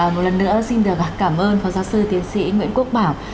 một lần nữa xin được cảm ơn phó giáo sư tiến sĩ nguyễn quốc bảo